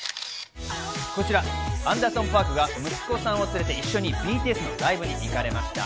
アンダーソン・パークが息子さんを連れて一緒にＢＴＳのライブに行かれました。